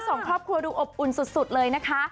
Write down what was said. สองครอบครัวดูอบอุ่นสุดเลยนะคะ